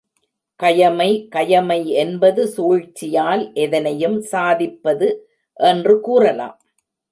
கயமை கயமை என்பது சூழ்ச்சியால் எதனையும் சாதிப்பது என்று கூறலாம்.